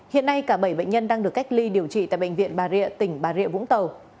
hiện nay cả bảy bệnh nhân đang được cách ly điều trị tại bệnh viện bà rịa tỉnh bà rịa vũng tàu